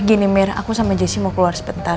gini mir aku sama jessy mau keluar sebentar